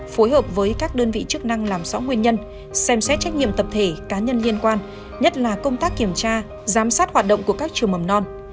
phối hợp với các đơn vị chức năng làm rõ nguyên nhân xem xét trách nhiệm tập thể cá nhân liên quan nhất là công tác kiểm tra giám sát hoạt động của các trường mầm non